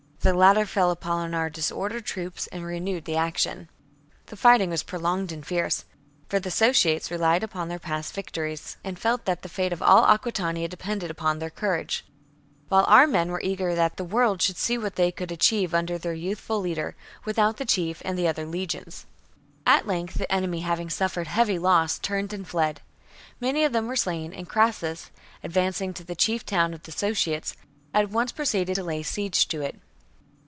The latter fell upon our disordered troops and renewed the action. 21. The fighting was prolonged and fierce ; defeats the for the Sotiates relied upon their past victories. 92 CAMPAIGN AGAINST BOOK 56 B.C. and be sieges their chief town. and felt that the fate of all Aqiiitania depended upon their courage ; while our men were eager that the world should see what they could achieve under their youthful leader, without the chief and the other legions. At length the enemy, having suffered heavy loss, turned and fled. Many of them were slain ; and Crassus, advancing to the chief town of the Sotiates,^ at once proceeded to lay siege to it.